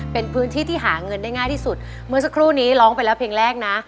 เป็นพื้นที่ที่หาเงินได้ง่ายที่สุดเมื่อสักครู่นี้ร้องไปแล้วเพลงแรกนะ